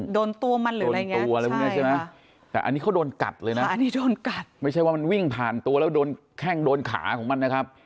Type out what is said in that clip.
โดนตัวมันหรืออะไรไงตัวอะไรพวกนี้ใช่ไหมแต่อันนี้เขาโดนกัดเลยนะอันนี้โดนกัดไม่ใช่ว่ามันวิ่งผ่านตัวแล้วโดนแข้งโดนขาของมันนะครับ